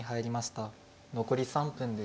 残り３分です。